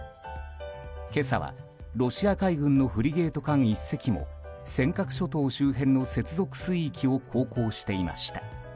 今朝はロシア海軍のフリゲート艦１隻も尖閣諸島周辺の接続水域を航行していました。